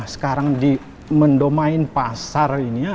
sekarang di mendomain pasar ini ya